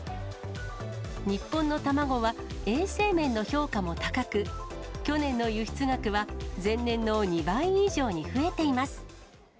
日本の卵は、衛生面の評価も高く、去年の輸出額は前年の２倍以上に増えています。